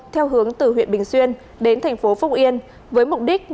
theo hướng từ huyện bình xuyên đến thành phố phúc yên với mục đích